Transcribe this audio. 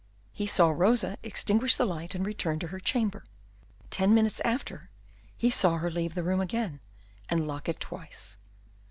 He saw Rosa extinguish the light and return to her chamber. Ten minutes after, he saw her leave the room again, and lock it twice.